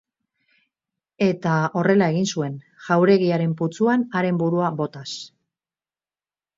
Eta horrela egin zuen, jauregiaren putzuan haren burua botaz.